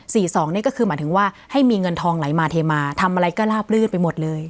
สองนี่ก็คือหมายถึงว่าให้มีเงินทองไหลมาเทมาทำอะไรก็ลาบลื่นไปหมดเลย